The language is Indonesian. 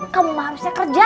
kamu mah harusnya kerja